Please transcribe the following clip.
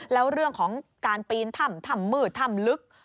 แล้วเรื่องของการปีนทำมืดทำลึก